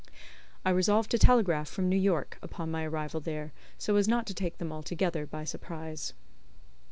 I resolved to telegraph from New York, upon my arrival there, so as not to take them altogether by surprise.